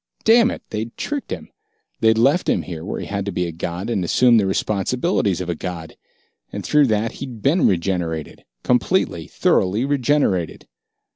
Damn it, they'd tricked him! They'd left him here where he had to be a god and assume the responsibilities of a god. And through that, he'd been regenerated completely, thoroughly regenerated!